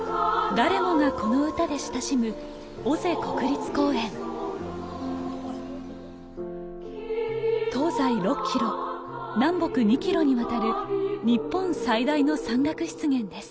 誰もがこの歌で親しむ東西６キロ南北２キロにわたる日本最大の山岳湿原です。